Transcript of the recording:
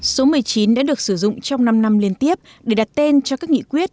số một mươi chín đã được sử dụng trong năm năm liên tiếp để đặt tên cho các nghị quyết